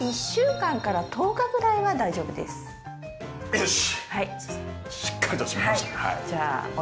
よし。